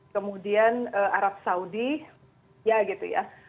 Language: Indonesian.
kemudian arab saudi ya gitu ya